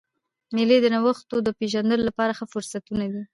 مېلې د نوښتو د پېژندلو له پاره ښه فرصتونه دي.